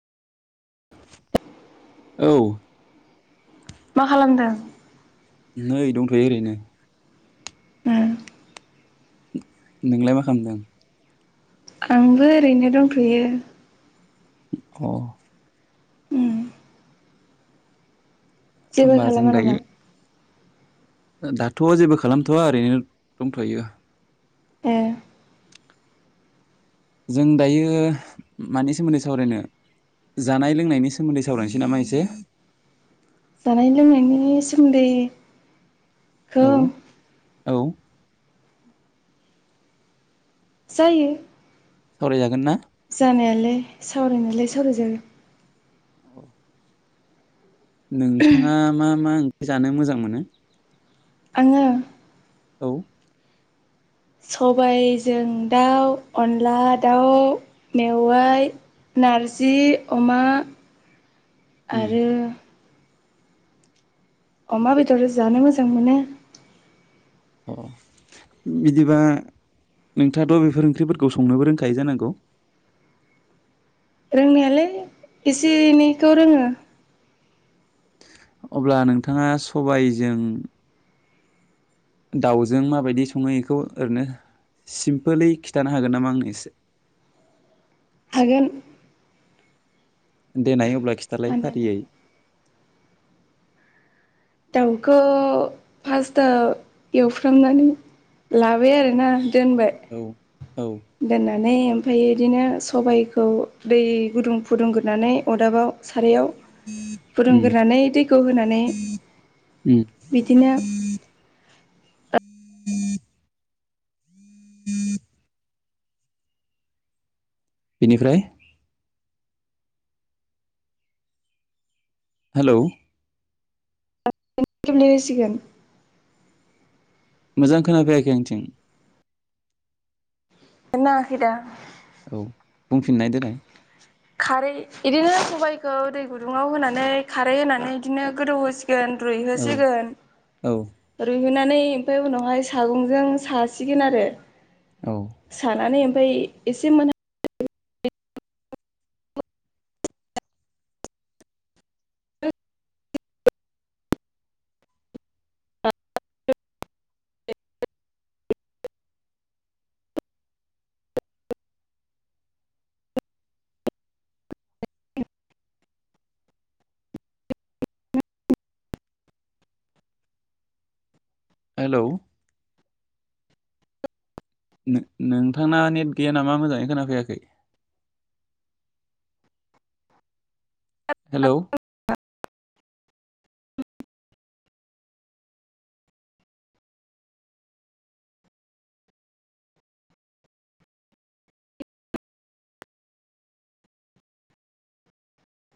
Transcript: [inaudible] औ। मा खालामदों? नै दंथ'यो ओरैनो। उम नोंलाय मा खालामदों? आंबो ओरैनो दंथ'यो। अ उम जेबो होमबा जों खालामा दायो नामा दाथ' जेबो खालामथ'वा ओरैनो दंथ'यो ए जों दायो मानि सोमोनदै सावरायनो जानाय लोंनायनि सोमोनदै सावरायनोसै नामा एसे जानाय लोंनायनि सोमोनदै खौ औ औ जायो सावरायजागोन ना जानायालाय सावरायनायालाय सावराय जागोन औ नोंथाङा मा मा जानो मोजां मोनो आङो औ सबायजों दाउ अनला दाउ मेवाय नारजि अमा उम आरो अमा बेदर जानो मोजां मोनो अ बिदिबा नोंथाङाथ' बेफोर ओंख्रिफोरखौ संनोबो रोंखायो जानांगौ रोंनायालाय एसे एनैखौ रोङो अब्ला नोंथाङा सबायजों दाउजों माबायदि सङो एखौ ओरैनो सिमपोलै खिथानो हागोन नामा आंनो एसे हागोन देनाय अब्ला खिथालाय हानायालाय फारियै दाउखौ फार्स्टआव एवफ्रामनानै लाबाय आरोना दोनबाय औ औ दोननानै ओमफाय इदिनो सबाइखौ दै गुदुं फुदुंग्रोनानै अरदाबाव सारायाव उम फुदुंग्रोनानै दैखौ होनानै उम बिदिनो बेनिफ्राय हेलौ [unintelligible] सिगोन मोजां खोनाफैयाखै आंनिथिं नेट नाङाखै दा औ बुंफिननाय देनाय खारै इदिनो सबायखौ दै गुदुङाव होनानै खारै होनानै इदिनो गोदौ रुयहोसिगोन औ रुयहोसिगोन औ होननानै ओमफाय उनावहाय सागंजों सासिगोन आरो औ सानानै ओमफ्राय एसे मोना हेलौ नोंथांना नेट गैया नाामा मोजाङै खोनाफैयाखै हेलौ